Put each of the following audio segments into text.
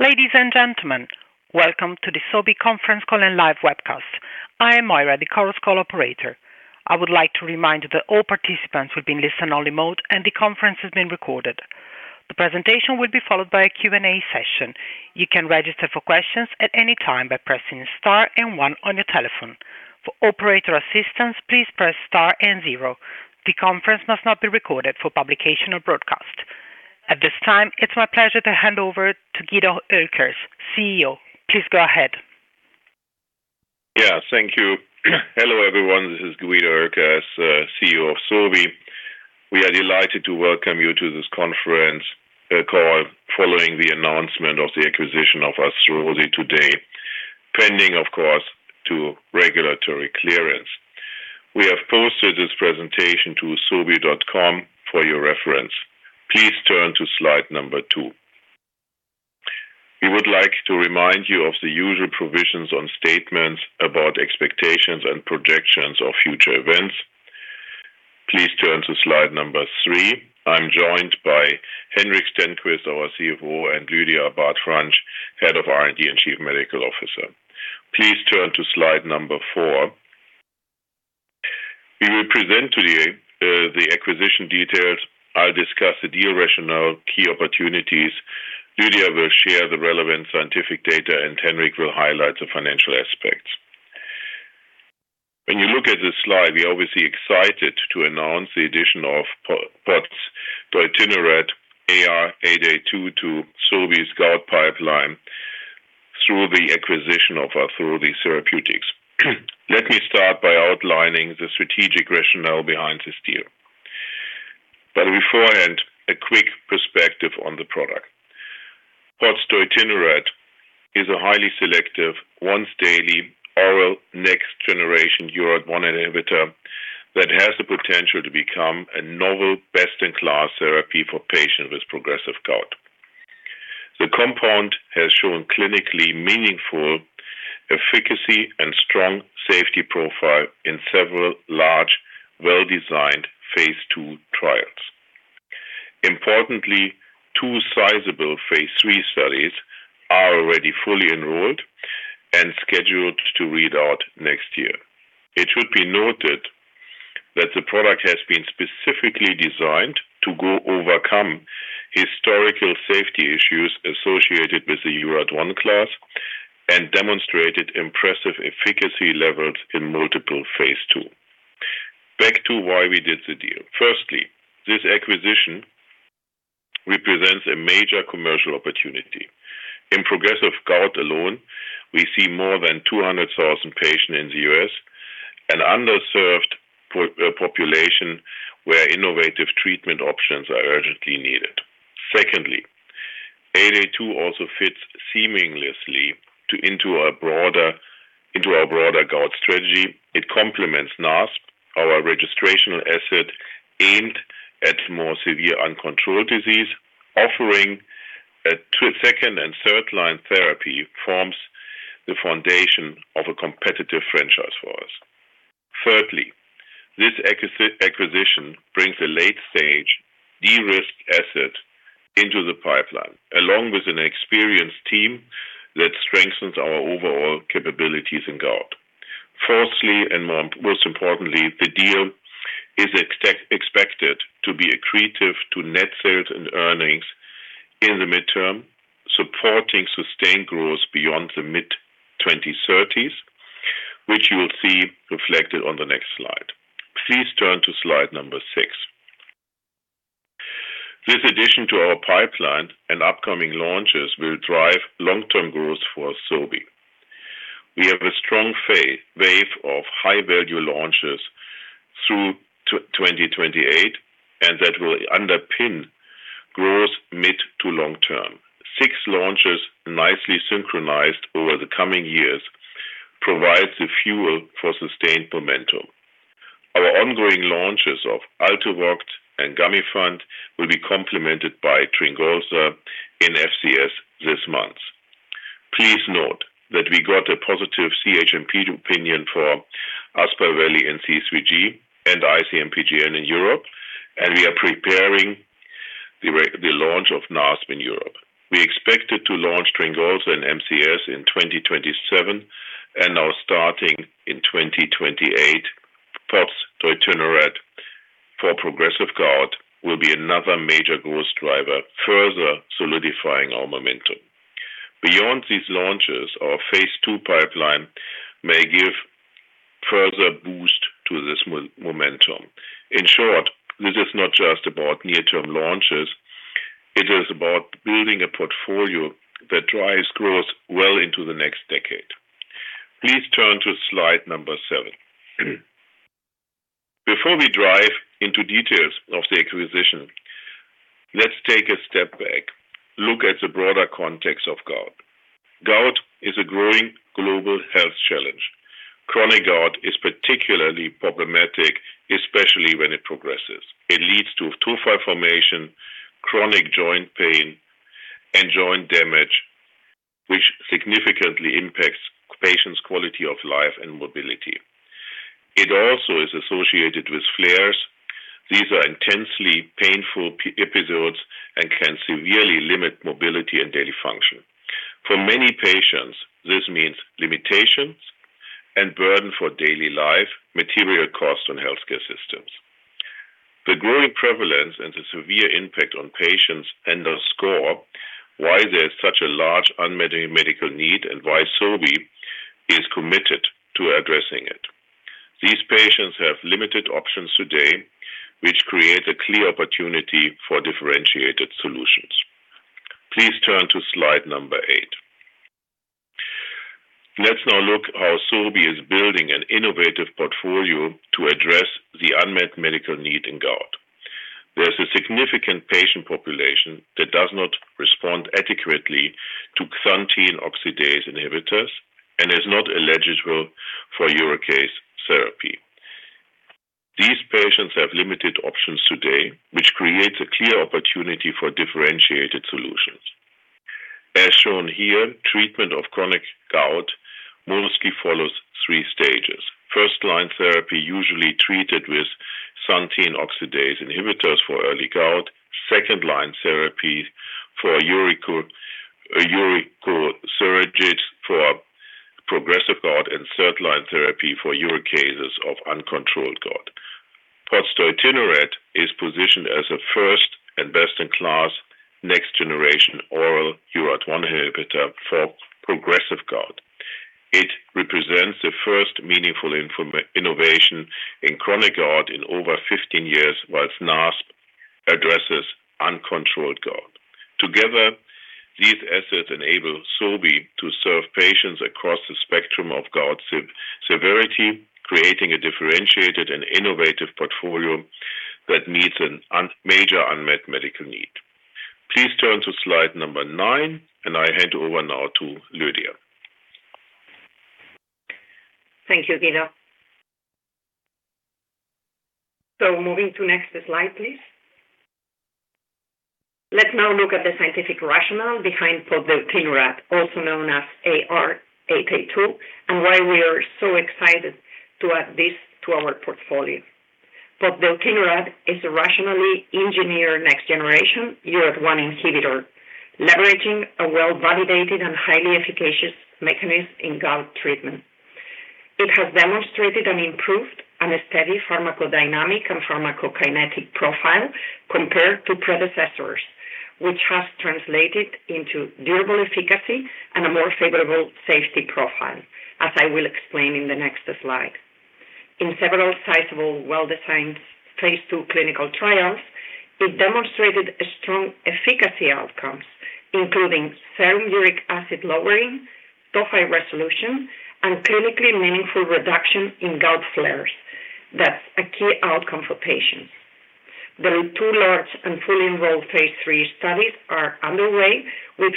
Ladies and gentlemen, welcome to the Sobi Conference Call and Live Webcast. I am Moira, the Chorus Call Operator. I would like to remind you that all participants will be in listen-only mode and the conference has been recorded. The presentation will be followed by a Q&A session. You can register for questions at any time by pressing star and one on your telephone. For operator assistance, please press star and zero. The conference must not be recorded for publication or broadcast. At this time, it's my pleasure to hand over to Guido Oelkers, CEO. Please go ahead. Yes, thank you. Hello everyone, this is Guido Oelkers, CEO of Sobi. We are delighted to welcome you to this conference call following the announcement of the acquisition of Arthrosi today, pending, of course, regulatory clearance. We have posted this presentation to Sobi.com for your reference. Please turn to slide number two. We would like to remind you of the usual provisions on statements about expectations and projections of future events. Please turn to slide number three. I'm joined by Henrik Stenqvist, our CFO, and Lydia Abad-Franch, Head of R&D and Chief Medical Officer. Please turn to slide number four. We will present today the acquisition details. I'll discuss the deal rationale, key opportunities. Lydia will share the relevant scientific data, and Henrik will highlight the financial aspects. When you look at this slide, we are obviously excited to announce the addition of AR882 to Sobi's gout pipeline through the acquisition of Arthrosi Therapeutics. Let me start by outlining the strategic rationale behind this deal. But beforehand, a quick perspective on the product. AR882 is a highly selective, once-daily, oral next-generation URAT1 inhibitor that has the potential to become a novel best-in-class therapy for patients with progressive gout. The compound has shown clinically meaningful efficacy and strong safety profile in several large, well-designed phase II trials. Importantly, two sizable phase III studies are already fully enrolled and scheduled to read out next year. It should be noted that the product has been specifically designed to overcome historical safety issues associated with the URAT1 class and demonstrated impressive efficacy levels in multiple phase II. Back to why we did the deal. Firstly, this acquisition represents a major commercial opportunity. In progressive gout alone, we see more than 200,000 patients in the US, an underserved population where innovative treatment options are urgently needed. Secondly, 882 also fits seamlessly into our broader gout strategy. It complements NASP, our registrational asset aimed at more severe uncontrolled disease, offering a second- and third-line therapy forms the foundation of a competitive franchise for us. Thirdly, this acquisition brings a late-stage de-risk asset into the pipeline, along with an experienced team that strengthens our overall capabilities in gout. Fourthly, and most importantly, the deal is expected to be accretive to net sales and earnings in the midterm, supporting sustained growth beyond the mid-2030s, which you will see reflected on the next slide. Please turn to slide number six. This addition to our pipeline and upcoming launches will drive long-term growth for Sobi. We have a strong wave of high-value launches through 2028, and that will underpin growth mid to long term. Six launches nicely synchronized over the coming years provide the fuel for sustained momentum. Our ongoing launches of Altuviiio and Gamifant will be complemented by Tryngolza in FCS this month. Please note that we got a positive CHMP opinion for Aspaveli in C3G and IC-MPGN in Europe, and we are preparing the launch of NASP in Europe. We expected to launch Tryngolza in MCS in 2027, and now starting in 2028, AR882 for progressive gout will be another major growth driver, further solidifying our momentum. Beyond these launches, our phase II pipeline may give further boost to this momentum. In short, this is not just about near-term launches. It is about building a portfolio that drives growth well into the next decade. Please turn to slide number seven. Before we dive into details of the acquisition, let's take a step back, look at the broader context of gout. Gout is a growing global health challenge. Chronic gout is particularly problematic, especially when it progresses. It leads to tophi formation, chronic joint pain, and joint damage, which significantly impacts patients' quality of life and mobility. It also is associated with flares. These are intensely painful episodes and can severely limit mobility and daily function. For many patients, this means limitations and burden for daily life, material costs, and healthcare systems. The growing prevalence and the severe impact on patients underscore why there is such a large unmet medical need and why Sobi is committed to addressing it. These patients have limited options today, which creates a clear opportunity for differentiated solutions. Please turn to slide number eight. Let's now look at how Sobi is building an innovative portfolio to address the unmet medical need in gout. There's a significant patient population that does not respond adequately to xanthine oxidase inhibitors and is not eligible for uricase therapy. These patients have limited options today, which creates a clear opportunity for differentiated solutions. As shown here, treatment of chronic gout mostly follows three stages. First-line therapy usually treated with xanthine oxidase inhibitors for early gout, second-line therapy for uricosuric for progressive gout, and third-line therapy for uricases of uncontrolled gout. AR882 is positioned as a first and best-in-class next-generation oral URAT1 inhibitor for progressive gout. It represents the first meaningful innovation in chronic gout in over 15 years, while SEL-212 addresses uncontrolled gout. Together, these assets enable Sobi to serve patients across the spectrum of gout severity, creating a differentiated and innovative portfolio that meets a major unmet medical need. Please turn to slide number nine, and I hand over now to Lydia. Thank you, Guido. So moving to the next slide, please. Let's now look at the scientific rationale behind AR882, also known as AR882, and why we are so excited to add this to our portfolio. AR882 is a rationally engineered next-generation URAT1 inhibitor, leveraging a well-validated and highly efficacious mechanism in gout treatment. It has demonstrated an improved and steady pharmacodynamic and pharmacokinetic profile compared to predecessors, which has translated into durable efficacy and a more favorable safety profile, as I will explain in the next slide. In several sizable, well-designed phase II clinical trials, it demonstrated strong efficacy outcomes, including serum uric acid lowering, tophi resolution, and clinically meaningful reduction in gout flares. That's a key outcome for patients. The two large and fully enrolled phase III studies are underway with.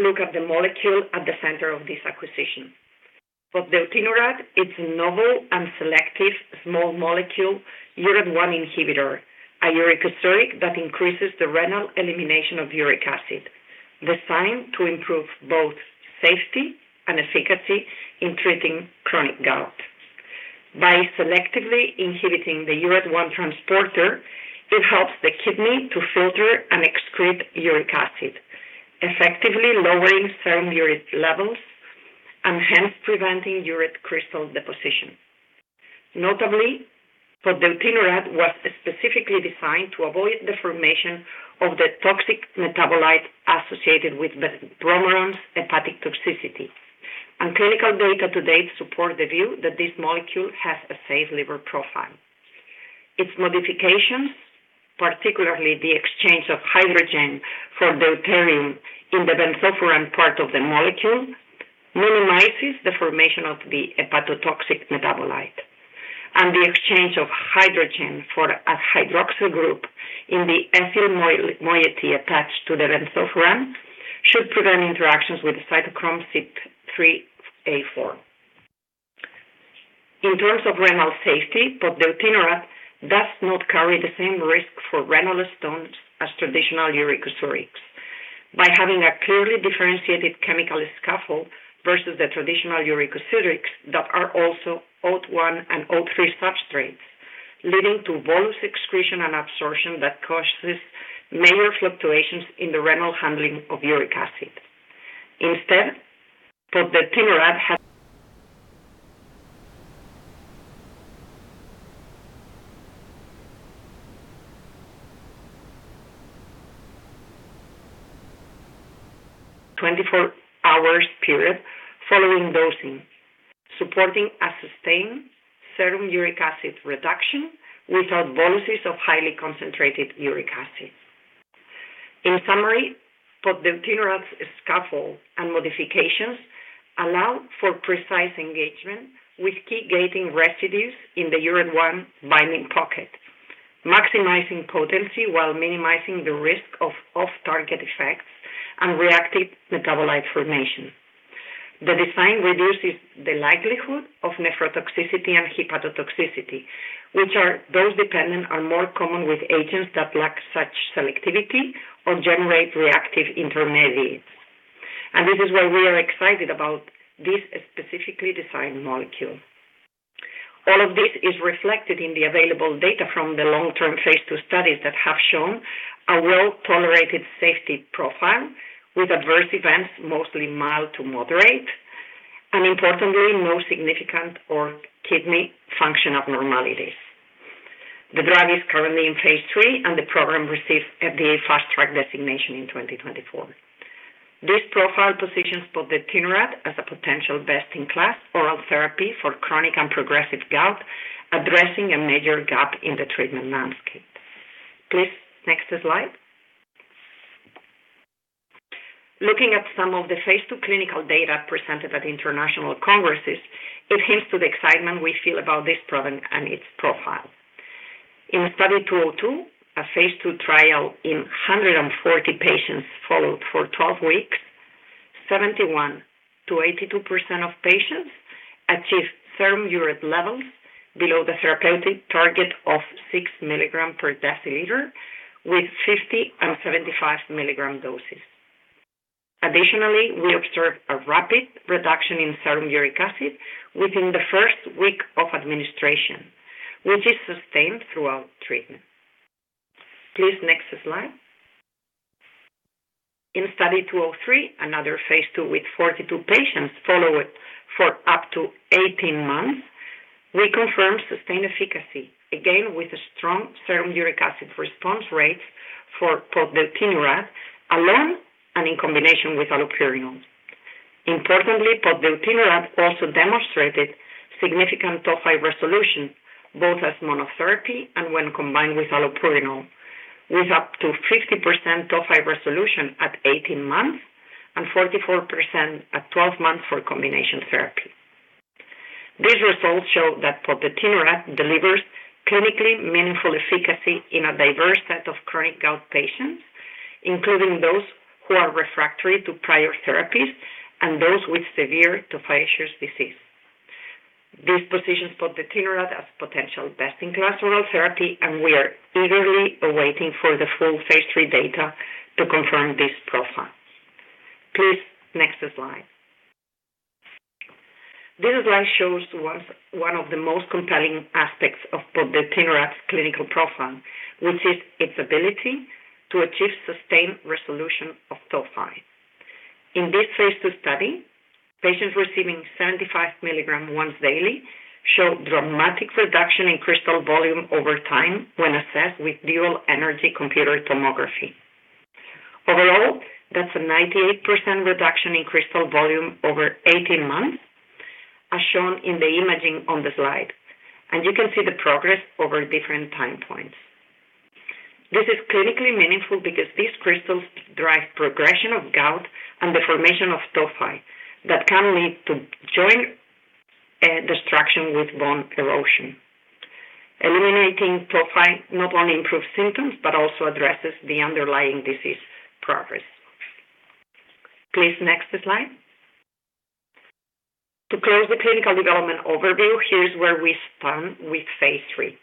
Let's look at the molecule at the center of this acquisition. AR882 is a novel and selective small molecule URAT1 inhibitor, a uricosuric that increases the renal elimination of uric acid, designed to improve both safety and efficacy in treating chronic gout. By selectively inhibiting the URAT1 transporter, it helps the kidney to filter and excrete uric acid, effectively lowering serum urate levels and hence preventing urate crystal deposition. Notably, AR882 was specifically designed to avoid the formation of the toxic metabolite associated with benzbromarone's hepatic toxicity, and clinical data to date support the view that this molecule has a safe liver profile. Its modifications, particularly the exchange of hydrogen for deuterium in the benzofuran part of the molecule, minimizes the formation of the hepatotoxic metabolite, and the exchange of hydrogen for a hydroxyl group in the ethyl moiety attached to the benzofuran should prevent interactions with the CYP3A4. In terms of renal safety, AR882 does not carry the same risk for renal stones as traditional uricosurics by having a clearly differentiated chemical scaffold versus the traditional uricosurics that are also OAT1 and OAT3 substrates, leading to bolus excretion and absorption that causes major fluctuations in the renal handling of uric acid. Instead, AR882 has a 24-hour period following dosing, supporting a sustained serum uric acid reduction without boluses of highly concentrated uric acid. In summary, AR882's scaffold and modifications allow for precise engagement with key gating residues in the URAT1 binding pocket, maximizing potency while minimizing the risk of off-target effects and reactive metabolite formation. The design reduces the likelihood of nephrotoxicity and hepatotoxicity, which are dose-dependent and more common with agents that lack such selectivity or generate reactive intermediates. And this is why we are excited about this specifically designed molecule. All of this is reflected in the available data from the long-term phase II studies that have shown a well-tolerated safety profile with adverse events mostly mild to moderate, and importantly, no significant liver or kidney function abnormalities. The drug is currently in phase III, and the program received the Fast Track designation in 2024. This profile positions AR882 as a potential best-in-class oral therapy for chronic and progressive gout, addressing a major gap in the treatment landscape. Please, next slide. Looking at some of the phase II clinical data presented at international congresses, it hints to the excitement we feel about this product and its profile. In study 202, a phase II trial in 140 patients followed for 12 weeks, 71%-82% of patients achieved serum urate levels below the therapeutic target of 6 mg/dL with 50- and 75-mg doses. Additionally, we observed a rapid reduction in serum uric acid within the first week of administration, which is sustained throughout treatment. Please, next slide. In study 203, another phase II with 42 patients followed for up to 18 months, we confirmed sustained efficacy, again with a strong serum uric acid response rate for AR882 alone and in combination with allopurinol. Importantly, AR882 also demonstrated significant tophi resolution, both as monotherapy and when combined with allopurinol, with up to 50% tophi resolution at 18 months and 44% at 12 months for combination therapy. These results show that AR882 delivers clinically meaningful efficacy in a diverse set of chronic gout patients, including those who are refractory to prior therapies and those with severe tophaceous disease. This positions AR882 as potential best-in-class oral therapy, and we are eagerly awaiting the full phase III data to confirm this profile. Please, next slide. This slide shows one of the most compelling aspects of AR882's clinical profile, which is its ability to achieve sustained resolution of tophi. In this phase II study, patients receiving 75 mg once daily showed dramatic reduction in crystal volume over time when assessed with dual-energy computed tomography. Overall, that's a 98% reduction in crystal volume over 18 months, as shown in the imaging on the slide, and you can see the progress over different time points. This is clinically meaningful because these crystals drive progression of gout and the formation of tophi that can lead to joint destruction with bone erosion. Eliminating tophi not only improves symptoms but also addresses the underlying disease progress. Please, next slide. To close the clinical development overview, here's where we stand with phase III.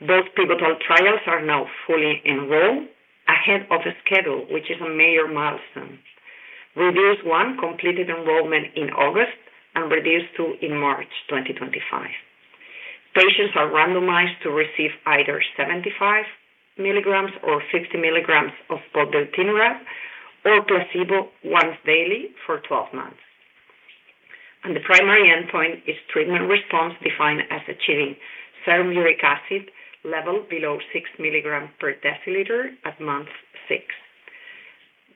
Both pivotal trials are now fully enrolled ahead of schedule, which is a major milestone. REDUCE 1 completed enrollment in August and REDUCE 2 in March 2025. Patients are randomized to receive either 75 mg or 50 mg of AR882 or placebo once daily for 12 months. And the primary endpoint is treatment response defined as achieving serum uric acid level below 6 mg per deciliter at month six.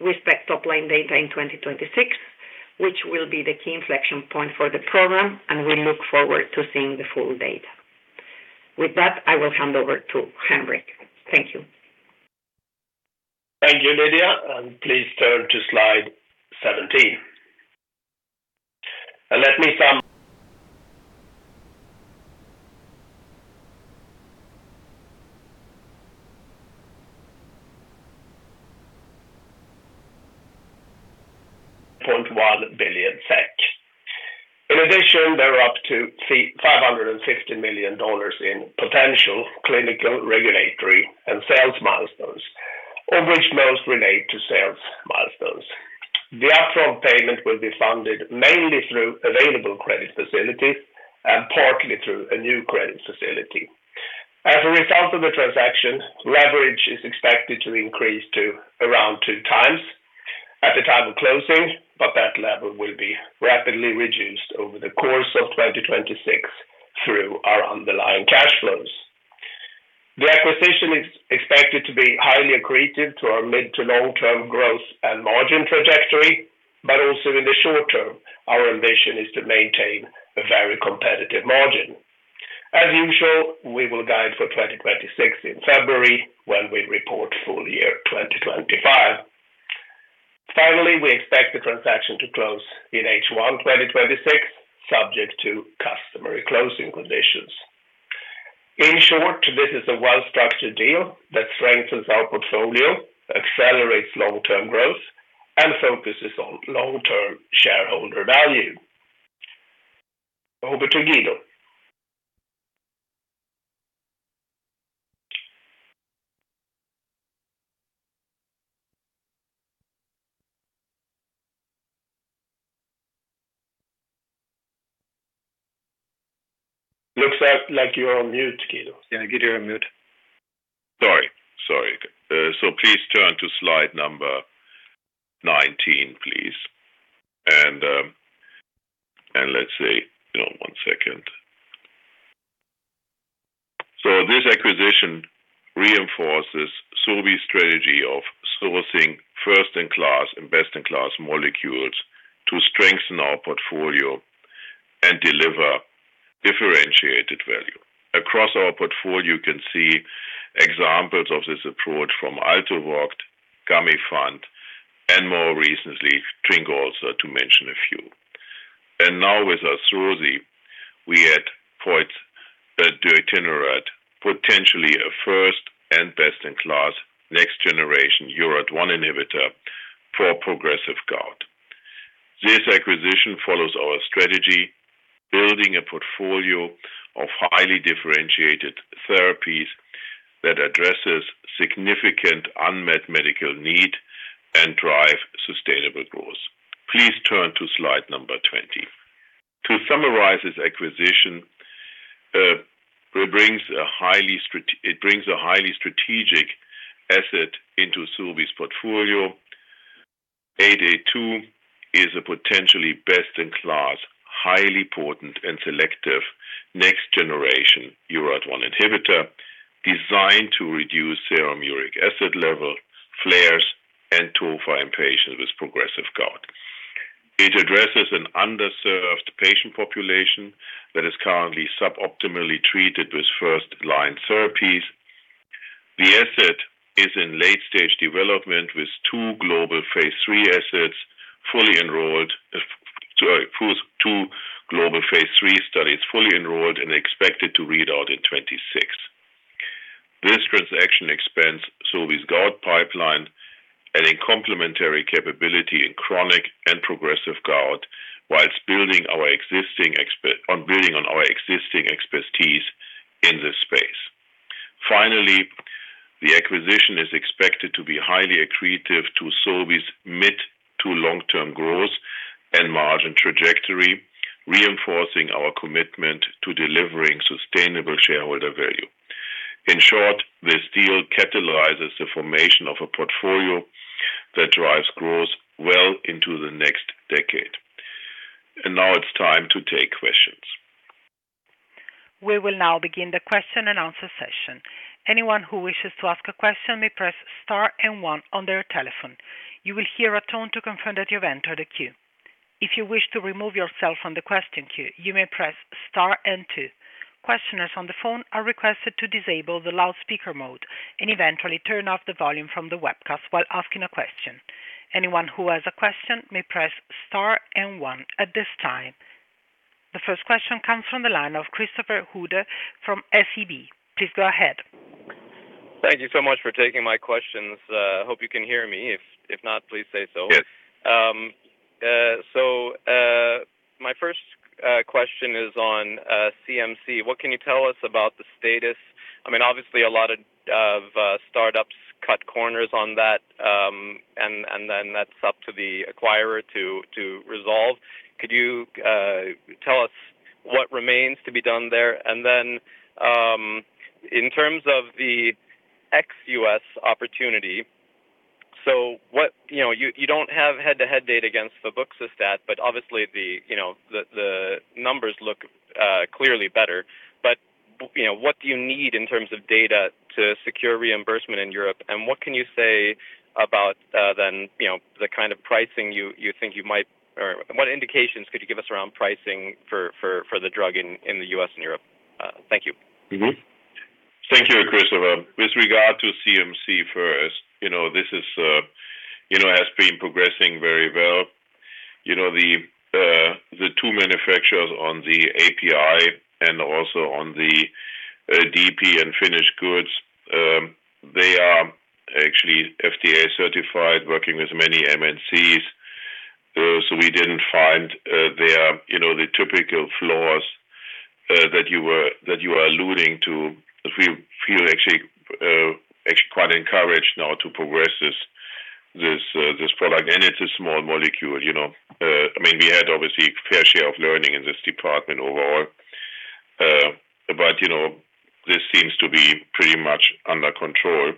We expect top-line data in 2026, which will be the key inflection point for the program, and we look forward to seeing the full data. With that, I will hand over to Henrik. Thank you. Thank you, Lydia. Please turn to slide 17. Let me sum up. In addition, there are up to $550 million in potential clinical regulatory and sales milestones, of which most relate to sales milestones. The upfront payment will be funded mainly through available credit facilities and partly through a new credit facility. As a result of the transaction, leverage is expected to increase to around two times at the time of closing, but that level will be rapidly reduced over the course of 2026 through our underlying cash flows. The acquisition is expected to be highly accretive to our mid- to long-term growth and margin trajectory, but also in the short term, our ambition is to maintain a very competitive margin. As usual, we will guide for 2026 in February when we report full year 2025. Finally, we expect the transaction to close in H1 2026, subject to customary closing conditions. In short, this is a well-structured deal that strengthens our portfolio, accelerates long-term growth, and focuses on long-term shareholder value. Over to Guido. Looks like you're on mute, Guido. Yeah, Guido is on mute. Please turn to slide number 19. This acquisition reinforces Sobi's strategy of sourcing first-in-class and best-in-class molecules to strengthen our portfolio and deliver differentiated value. Across our portfolio, you can see examples of this approach from Altuviiio, Gamifant, and more recently, Tringalsa, to mention a few. Now with Arthrosi, we add AR882, potentially a first and best-in-class next-generation URAT1 inhibitor for progressive gout. This acquisition follows our strategy, building a portfolio of highly differentiated therapies that addresses significant unmet medical need and drives sustainable growth. Please turn to slide number 20. To summarize this acquisition, it brings a highly strategic asset into Sobi's portfolio. AR882 is a potentially best-in-class, highly potent, and selective next-generation URAT1 inhibitor designed to reduce serum uric acid levels, flares, and tophi in patients with progressive gout. It addresses an underserved patient population that is currently suboptimally treated with first-line therapies. The asset is in late-stage development with two global phase III assets fully enrolled, sorry, two global phase III studies fully enrolled and expected to read out in 2026. This transaction expands Sobi's gout pipeline and in complementary capability in chronic and progressive gout while building on our existing expertise in this space. Finally, the acquisition is expected to be highly accretive to Sobi's mid to long-term growth and margin trajectory, reinforcing our commitment to delivering sustainable shareholder value. In short, this deal catalyzes the formation of a portfolio that drives growth well into the next decade. And now it's time to take questions. We will now begin the question and answer session. Anyone who wishes to ask a question may press star and one on their telephone. You will hear a tone to confirm that you have entered a queue. If you wish to remove yourself from the question queue, you may press star and two. Questioners on the phone are requested to disable the loudspeaker mode and eventually turn off the volume from the webcast while asking a question. Anyone who has a question may press star and one at this time. The first question comes from the line of Christopher Uhde from SEB. Please go ahead. Thank you so much for taking my questions. I hope you can hear me. If not, please say so. Yes. So my first question is on CMC. What can you tell us about the status? I mean, obviously, a lot of startups cut corners on that, and then that's up to the acquirer to resolve. Could you tell us what remains to be done there? And then in terms of the ex-US opportunity, so you don't have head-to-head data against febuxostat, but obviously, the numbers look clearly better. But what do you need in terms of data to secure reimbursement in Europe? And what can you say about then the kind of pricing you think you might or what indications could you give us around pricing for the drug in the US and Europe? Thank you. Thank you, Christopher. With regard to CMC first, this has been progressing very well. The two manufacturers on the API and also on the DP and finished goods, they are actually FDA certified, working with many MNCs. So we didn't find the typical flaws that you were alluding to. We feel actually quite encouraged now to progress this product, and it's a small molecule. I mean, we had obviously a fair share of learning in this department overall, but this seems to be pretty much under control.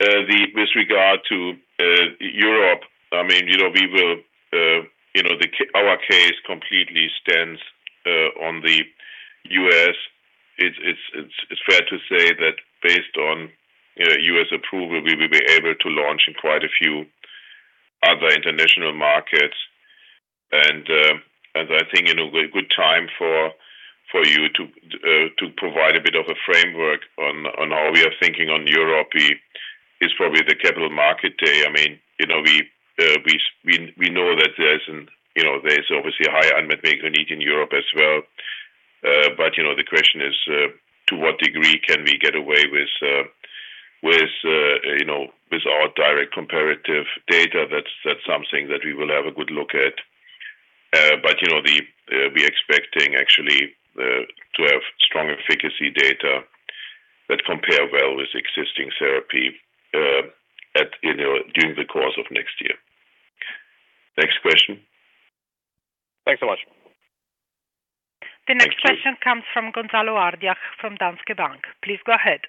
With regard to Europe, I mean, we will. Our case completely stands on the US. It's fair to say that based on US approval, we will be able to launch in quite a few other international markets. I think a good time for you to provide a bit of a framework on how we are thinking on Europe is probably the capital market day. I mean, we know that there's obviously a high unmet medical need in Europe as well. But the question is, to what degree can we get away with our direct comparative data? That's something that we will have a good look at. But we are expecting actually to have strong efficacy data that compare well with existing therapy during the course of next year. Next question. Thanks so much. The next question comes from Gonzalo Artiach from Danske Bank. Please go ahead.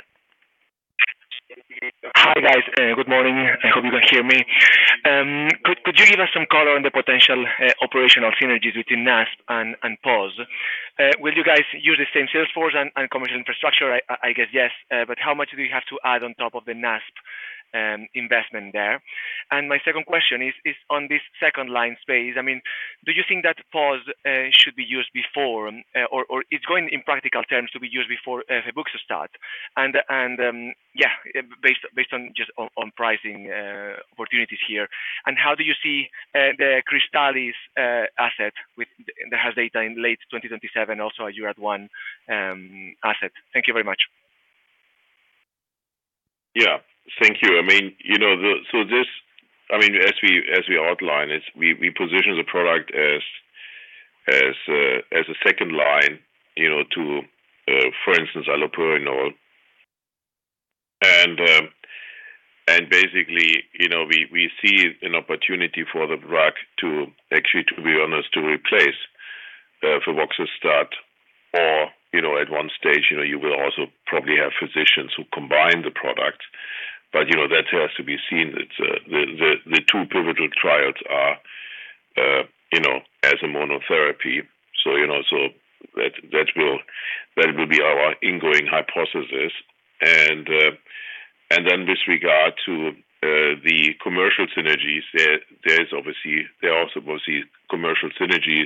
Hi guys. Good morning. I hope you can hear me. Could you give us some color on the potential operational synergies between NASP and POS? Will you guys use the same Salesforce and commercial infrastructure? I guess yes, but how much do you have to add on top of the NASP investment there? And my second question is on this second-line space. I mean, do you think that POS should be used before, or is going in practical terms to be used before febuxostat? And yeah, based on just pricing opportunities here. And how do you see the Cristalis asset that has data in late 2027, also a URAT1 asset? Thank you very much. Yeah. Thank you. I mean, so this, I mean, as we outlined, we position the product as a second line to, for instance, allopurinol. And basically, we see an opportunity for the drug to actually, to be honest, to replace febuxostat, or at one stage, you will also probably have physicians who combine the products. But that has to be seen. The two pivotal trials are as a monotherapy. So that will be our ingoing hypothesis. And then with regard to the commercial synergies, there are obviously commercial synergies,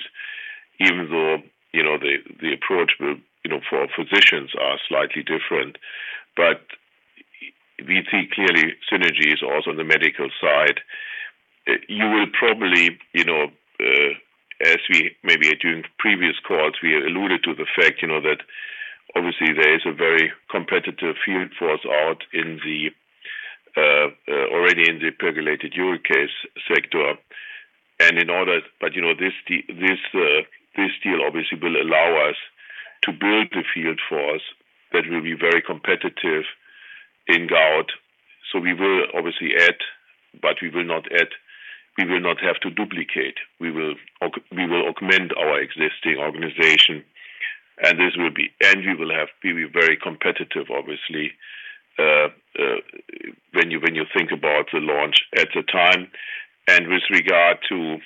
even though the approach for physicians is slightly different. But we see clearly synergies also on the medical side. You will probably, as we maybe during previous calls, we alluded to the fact that obviously there is a very competitive field force out already in the pegylated uricase sector. And in order, but this deal obviously will allow us to build the field force that will be very competitive in gout. So we will obviously add, but we will not add. We will not have to duplicate. We will augment our existing organization. And we will be very competitive, obviously, when you think about the launch at the time. And with regard to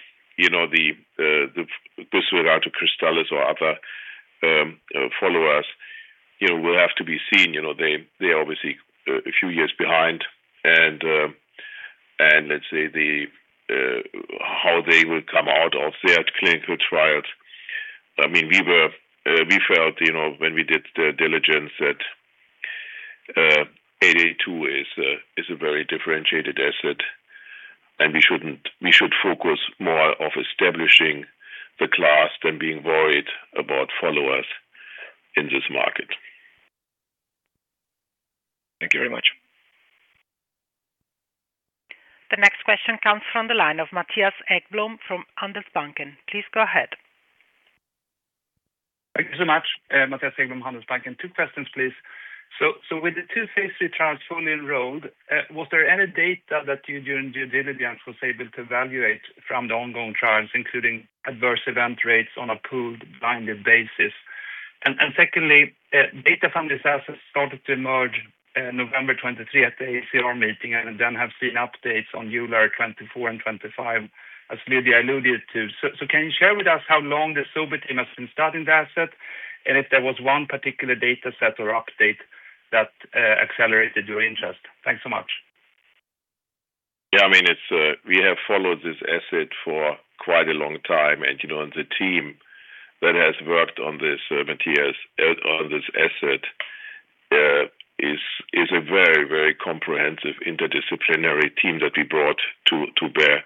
Cristalis or other followers, it'll have to be seen. They are obviously a few years behind. And let's see how they will come out of their clinical trials. I mean, we felt when we did the diligence that AR882 is a very differentiated asset, and we should focus more on establishing the class than being worried about followers in this market. Thank you very much. The next question comes from the line of Mattias Häggblom from Handelsbanken. Please go ahead. Thank you so much, Mattias Häggblom, Handelsbanken. Two questions, please. So with the two phase III trials fully enrolled, was there any data that you, during due diligence, was able to evaluate from the ongoing trials, including adverse event rates on a pooled blinded basis? And secondly, data from this asset started to emerge November 2023 at the ACR meeting and then have seen updates on July 2024 and 2025, as Lydia alluded to. So can you share with us how long the Sobi team has been studying the asset? And if there was one particular data set or update that accelerated your interest? Thanks so much. Yeah. I mean, we have followed this asset for quite a long time. And the team that has worked on this asset is a very, very comprehensive interdisciplinary team that we brought to bear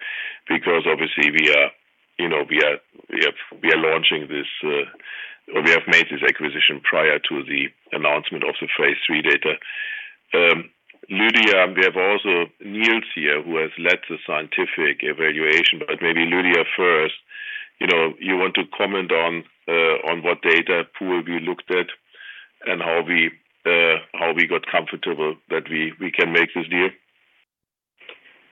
because obviously we are launching this or we have made this acquisition prior to the announcement of the phase III data. Lydia, we have also Niels here, who has led the scientific evaluation. But maybe Lydia first, you want to comment on what data pool we looked at and how we got comfortable that we can make this deal?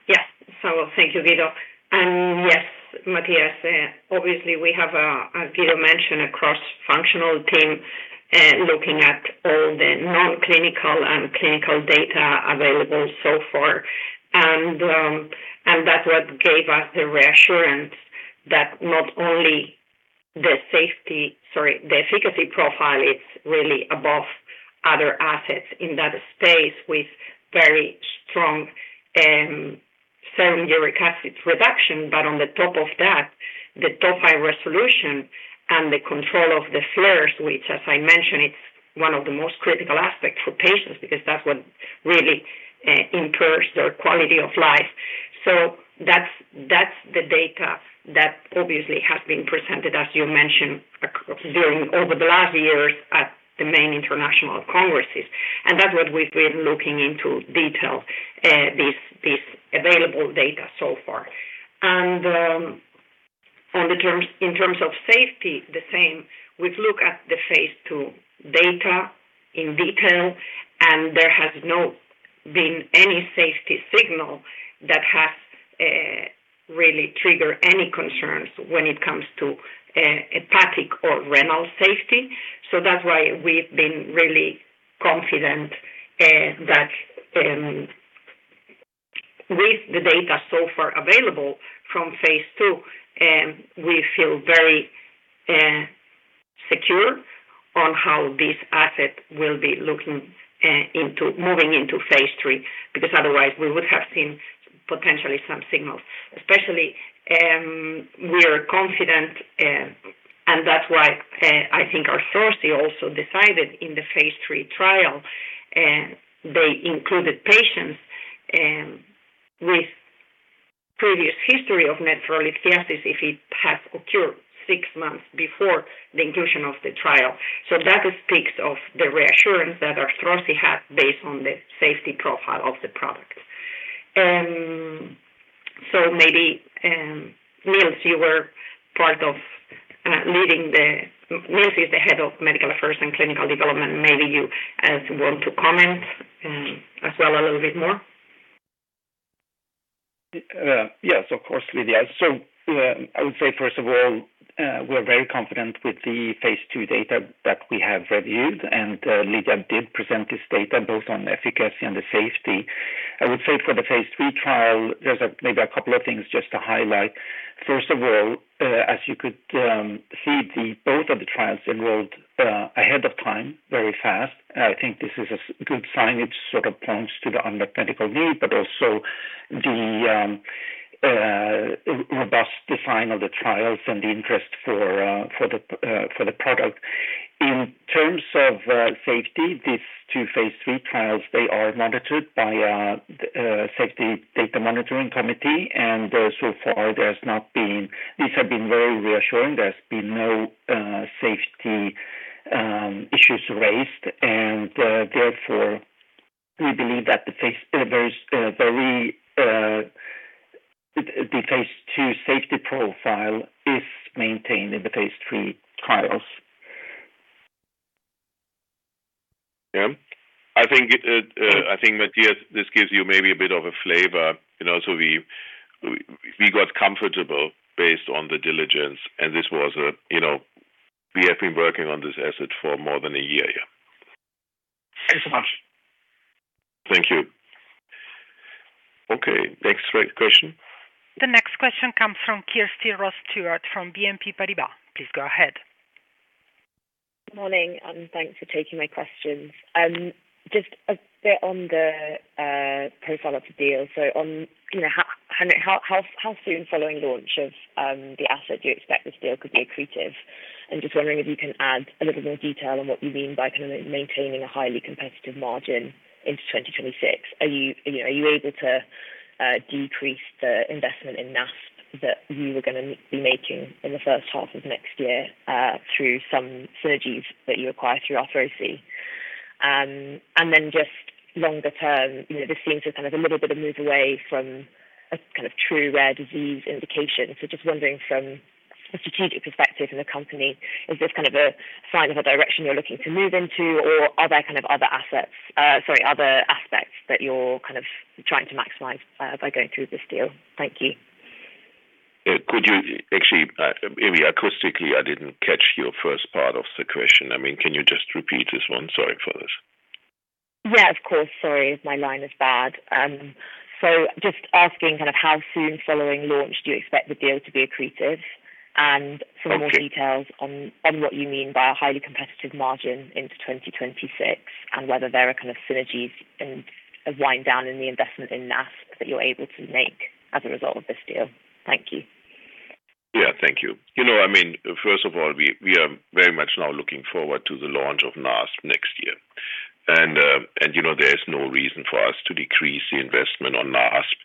Yes. So thank you, Guido. And yes, Mattias, obviously we have, as Guido mentioned, a cross-functional team looking at all the non-clinical and clinical data available so far. And that's what gave us the reassurance that not only the safety, sorry, the efficacy profile is really above other assets in that space with very strong serum uric acid reduction, but on the top of that, the tophi resolution and the control of the flares, which, as I mentioned, it's one of the most critical aspects for patients because that's what really improves their quality of life. So that's the data that obviously has been presented, as you mentioned, over the last years at the main international congresses. And that's what we've been looking into detail, this available data so far. And in terms of safety, the same. We've looked at the phase II data in detail, and there has not been any safety signal that has really triggered any concerns when it comes to hepatic or renal safety. So that's why we've been really confident that with the data so far available from phase two, we feel very secure on how this asset will be looking into moving into phase III because otherwise we would have seen potentially some signals. Especially, we are confident, and that's why I think Arthrosi also decided in the phase III trial, they included patients with previous history of nephrolithiasis if it has occurred six months before the inclusion of the trial. So that speaks of the reassurance that Arthrosi had based on the safety profile of the product. So maybe Niels, you were part of leading the. Niels is the head of medical affairs and clinical development. Maybe you want to comment as well a little bit more? Yes, of course, Lydia. So I would say, first of all, we are very confident with the phase II data that we have reviewed. And Lydia did present this data both on efficacy and the safety. I would say for the phase III trial, there's maybe a couple of things just to highlight. First of all, as you could see, both of the trials enrolled ahead of time very fast. I think this is a good sign. It sort of points to the unmet medical need, but also the robust design of the trials and the interest for the product. In terms of safety, these two phase III trials, they are monitored by a safety data monitoring committee. And so far, there has not been. These have been very reassuring. There has been no safety issues raised. Therefore, we believe that the phase II safety profile is maintained in the phase III trials. Yeah. I think, Mattias, this gives you maybe a bit of a flavor, so we got comfortable based on the diligence, and this was a - we have been working on this asset for more than a year. Yeah. Thank you so much. Thank you. Okay. Next question. The next question comes from Kirsty Ross-Stewart from BNP Paribas. Please go ahead. Good morning, and thanks for taking my questions. Just a bit on the profile of the deal. So how soon following launch of the asset do you expect this deal could be accretive? And just wondering if you can add a little more detail on what you mean by kind of maintaining a highly competitive margin into 2026. Are you able to decrease the investment in NASP that you were going to be making in the first half of next year through some synergies that you acquire through Arthrosi? And then just longer term, this seems to kind of a little bit of move away from a kind of true rare disease indication. So just wondering from a strategic perspective in the company, is this kind of a sign of a direction you're looking to move into, or are there kind of other assets, sorry, other aspects that you're kind of trying to maximize by going through this deal? Thank you. Could you actually, acoustically, I didn't catch your first part of the question. I mean, can you just repeat this one? Sorry for this. Yeah, of course. Sorry, my line is bad. So, just asking kind of how soon following launch do you expect the deal to be accretive, and some more details on what you mean by a highly competitive margin into 2026 and whether there are kind of synergies and a wind down in the investment in NASP that you're able to make as a result of this deal. Thank you. Yeah. Thank you. I mean, first of all, we are very much now looking forward to the launch of NASP next year. There is no reason for us to decrease the investment on NASP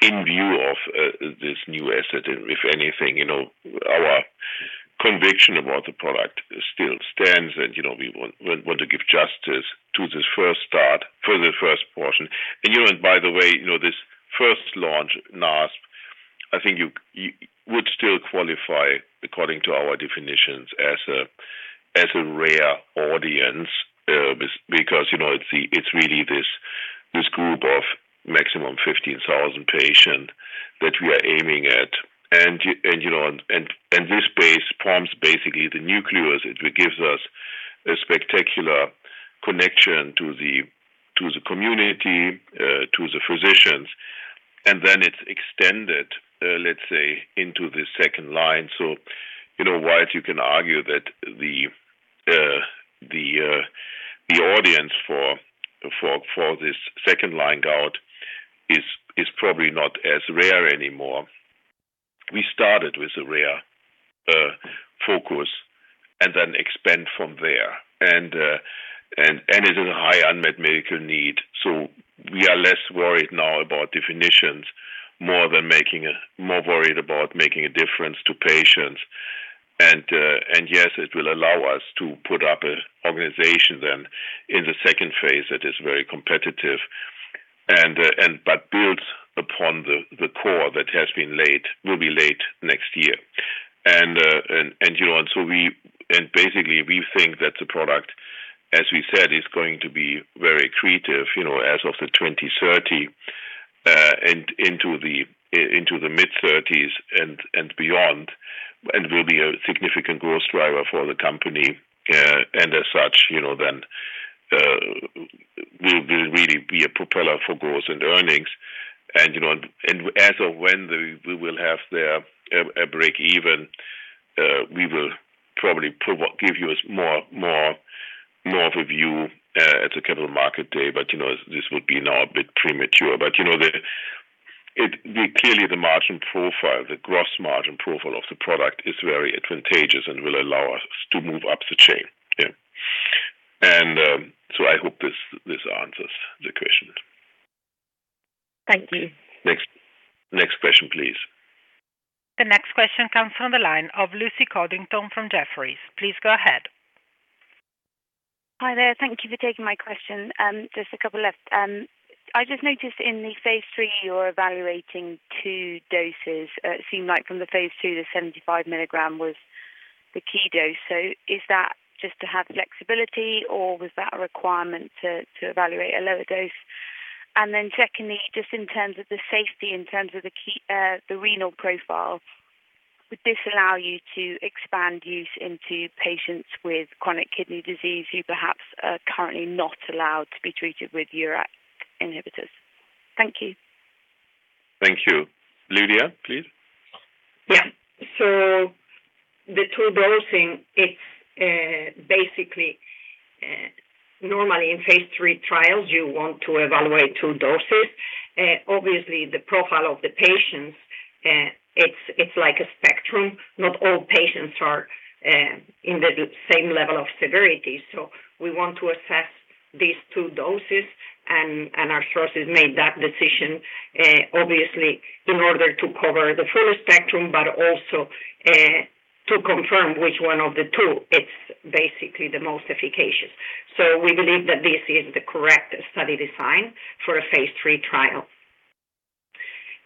in view of this new asset. If anything, our conviction about the product still stands, and we want to give justice to this first start for the first portion. By the way, this first launch NASP, I think you would still qualify, according to our definitions, as a rare audience because it's really this group of maximum 15,000 patients that we are aiming at. This base forms basically the nucleus. It gives us a spectacular connection to the community, to the physicians. Then it's extended, let's say, into the second line. So while you can argue that the audience for this second-line gout is probably not as rare anymore, we started with a rare focus and then expand from there. And it is a high unmet medical need. So we are less worried now about definitions more than worried about making a difference to patients. And yes, it will allow us to put up an organization then in the second phase that is very competitive, but builds upon the core that has been laid, will be laid next year. And so basically, we think that the product, as we said, is going to be very accretive as of the 2030 and into the mid-30s and beyond, and will be a significant growth driver for the company. And as such, then we will really be a propeller for growth and earnings. And as of when we will have a break-even, we will probably give you more of a view at the capital market day. But this would be now a bit premature. But clearly, the margin profile, the gross margin profile of the product is very advantageous and will allow us to move up the chain. Yeah. And so I hope this answers the question. Thank you. Next question, please. The next question comes from the line of Lucy Codrington from Jefferies. Please go ahead. Hi there. Thank you for taking my question. Just a couple left. I just noticed in the phase III, you're evaluating two doses. It seemed like from the phase II, the 75 milligram was the key dose. So is that just to have flexibility, or was that a requirement to evaluate a lower dose? And then secondly, just in terms of the safety, in terms of the renal profile, would this allow you to expand use into patients with chronic kidney disease who perhaps are currently not allowed to be treated with uric inhibitors? Thank you. Thank you. Lydia, please. Yeah. So the two dosing, it's basically normally in phase III trials, you want to evaluate two doses. Obviously, the profile of the patients, it's like a spectrum. Not all patients are in the same level of severity. So we want to assess these two doses. And Arthrosi made that decision, obviously, in order to cover the full spectrum, but also to confirm which one of the two is basically the most efficacious. So we believe that this is the correct study design for a phase 3 trial.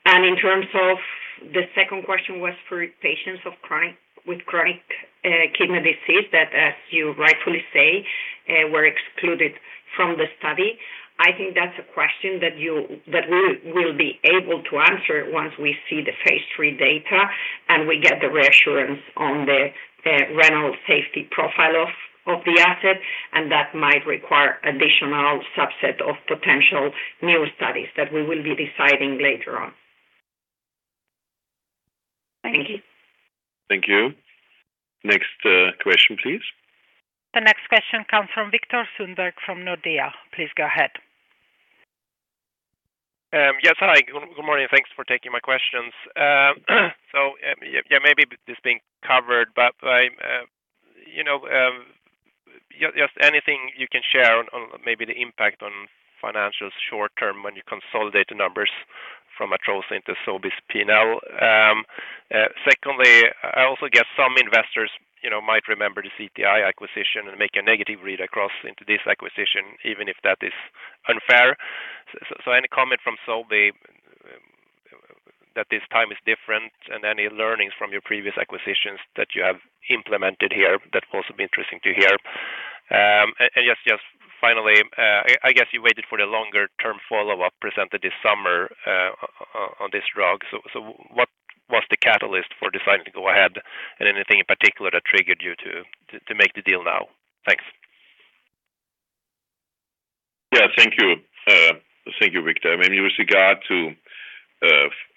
And in terms of the second question was for patients with chronic kidney disease that, as you rightfully say, were excluded from the study. I think that's a question that we will be able to answer once we see the phase 3 data and we get the reassurance on the renal safety profile of the asset. And that might require additional subset of potential new studies that we will be deciding later on. Thank you. Thank you. Next question, please. The next question comes from Viktor Sundberg from Nordea. Please go ahead. Yes. Hi. Good morning. Thanks for taking my questions. So yeah, maybe this being covered, but just anything you can share on maybe the impact on financials short term when you consolidate the numbers from Arthrosi into Sobi's P&L. Secondly, I also guess some investors might remember the CTI acquisition and make a negative read across into this acquisition, even if that is unfair. So any comment from Sobi that this time is different and any learnings from your previous acquisitions that you have implemented here that would also be interesting to hear? And just finally, I guess you waited for the longer-term follow-up presented this summer on this drug. So what was the catalyst for deciding to go ahead? And anything in particular that triggered you to make the deal now? Thanks. Yeah. Thank you. Thank you, Victor. I mean, with regard to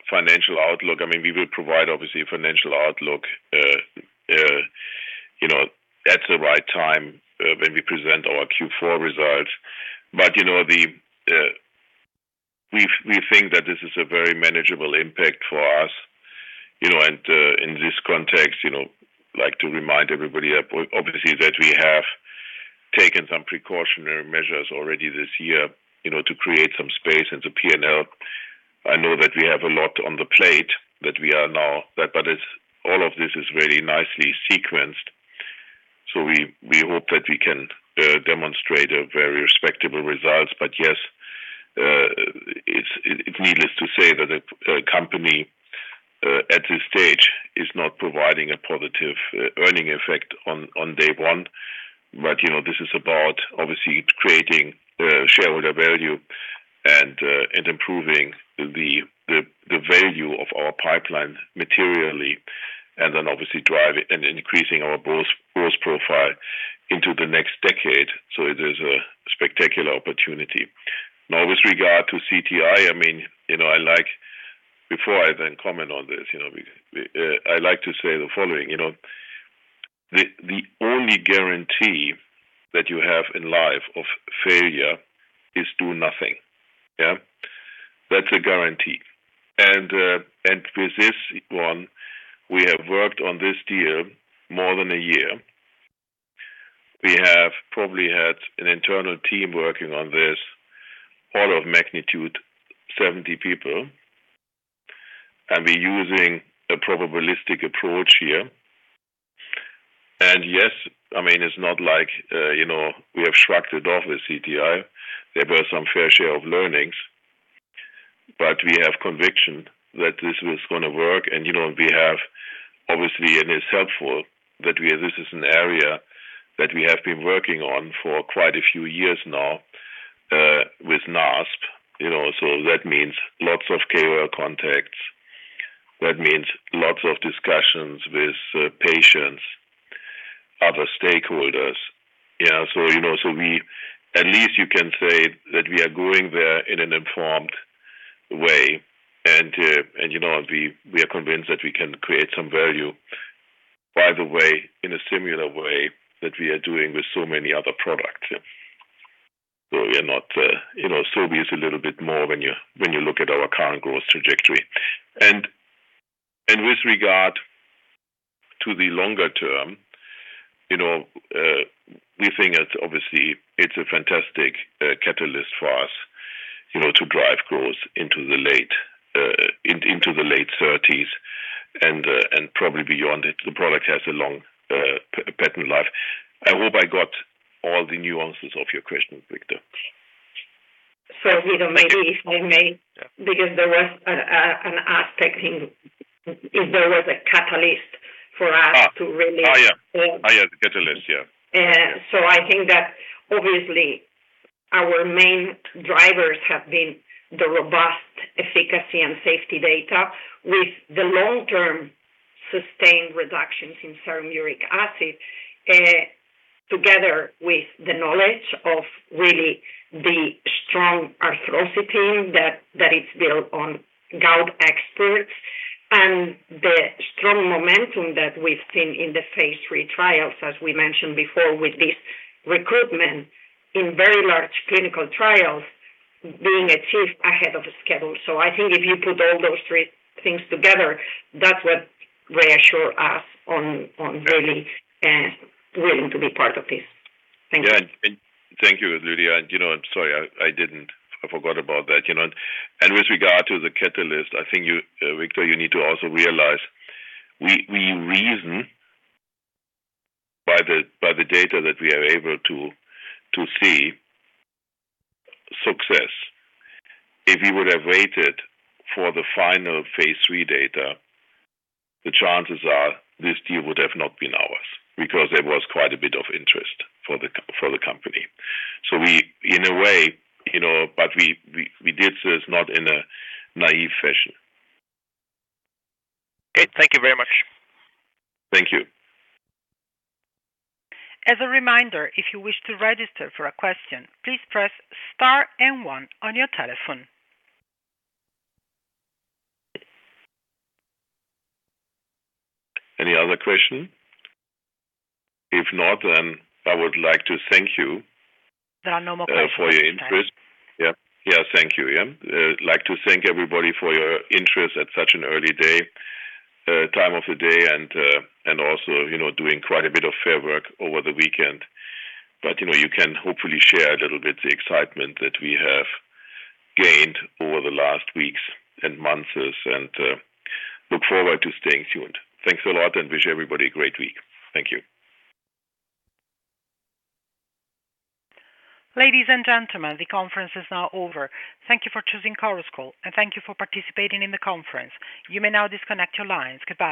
financial outlook, I mean, we will provide, obviously, a financial outlook at the right time when we present our Q4 results. But we think that this is a very manageable impact for us. And in this context, I'd like to remind everybody, obviously, that we have taken some precautionary measures already this year to create some space into P&L. I know that we have a lot on the plate that we are now, but all of this is really nicely sequenced. So we hope that we can demonstrate very respectable results. But yes, it's needless to say that the company at this stage is not providing a positive earning effect on day one. But this is about, obviously, creating shareholder value and improving the value of our pipeline materially and then, obviously, driving and increasing our growth profile into the next decade. So it is a spectacular opportunity. Now, with regard to CTI, I mean, before I then comment on this, I'd like to say the following. The only guarantee that you have in life of failure is do nothing. Yeah? That's a guarantee. And with this one, we have worked on this deal more than a year. We have probably had an internal team working on this, all of magnitude 70 people. And we're using a probabilistic approach here. And yes, I mean, it's not like we have shrugged it off with CTI. There were some fair share of learnings, but we have conviction that this was going to work. And we have, obviously, and it's helpful that this is an area that we have been working on for quite a few years now with NASP. So that means lots of KOL contacts. That means lots of discussions with patients, other stakeholders. Yeah? So at least you can say that we are going there in an informed way. And we are convinced that we can create some value, by the way, in a similar way that we are doing with so many other products. So Sobi is a little bit more when you look at our current growth trajectory. And with regard to the longer term, we think, obviously, it's a fantastic catalyst for us to drive growth into the late 30s and probably beyond. The product has a long patent life. I hope I got all the nuances of your question, Victor. Maybe if I may, because there was an aspect in if there was a catalyst for us to really. Oh, yeah. Oh, yeah. The catalyst. Yeah. So I think that, obviously, our main drivers have been the robust efficacy and safety data with the long-term sustained reductions in serum uric acid, together with the knowledge of really the strong Arthrosi team that it's built on gout experts and the strong momentum that we've seen in the phase three trials, as we mentioned before, with this recruitment in very large clinical trials being achieved ahead of schedule. So I think if you put all those three things together, that's what reassures us on really willing to be part of this. Thank you. Yeah. Thank you, Lydia. And I'm sorry, I forgot about that. And with regard to the catalyst, I think, Victor, you need to also realize we reason by the data that we are able to see success. If we would have waited for the final phase 3 data, the chances are this deal would have not been ours because there was quite a bit of interest for the company. So in a way. But we did this not in a naive fashion. Great. Thank you very much. Thank you. As a reminder, if you wish to register for a question, please press star and one on your telephone. Any other question? If not, then I would like to thank you. There are no more questions. For your interest. Yeah. Yeah. Thank you. Yeah. I'd like to thank everybody for your interest at such an early time of the day and also for doing quite a bit of work over the weekend, but you can hopefully share a little bit the excitement that we have gained over the last weeks and months and look forward to staying tuned. Thanks a lot and wish everybody a great week. Thank you. Ladies and gentlemen, the conference is now over. Thank you for choosing Chorus Call and thank you for participating in the conference. You may now disconnect your lines. Goodbye.